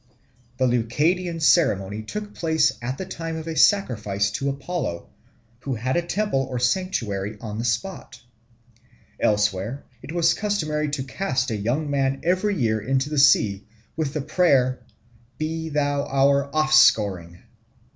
The Leucadian ceremony took place at the time of a sacrifice to Apollo, who had a temple or sanctuary on the spot. Elsewhere it was customary to cast a young man every year into the sea, with the prayer, "Be thou our offscouring."